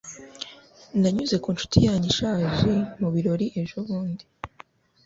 Nanyuze ku nshuti yanjye ishaje mu birori ejobundi.